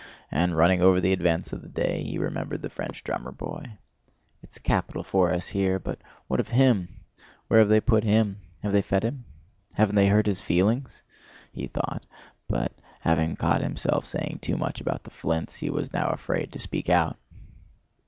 And running over the events of the day he remembered the French drummer boy. "It's capital for us here, but what of him? Where have they put him? Have they fed him? Haven't they hurt his feelings?" he thought. But having caught himself saying too much about the flints, he was now afraid to speak out.